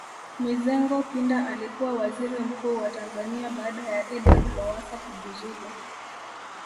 Mizengo Pinda alikuwa Waziri Mkuu wa Tanzania baada ya Edward Lowassa kujuzulu